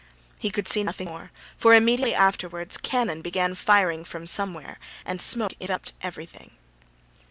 He could see nothing more, for immediately afterwards cannon began firing from somewhere and smoke enveloped everything.